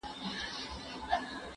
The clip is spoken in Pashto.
زه اوس د سبا لپاره د نوي لغتونو يادوم!؟